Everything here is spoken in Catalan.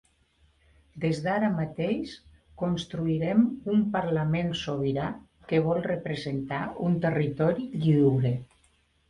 Des d’ara mateix construirem un parlament sobirà que vol representar un territori lliure.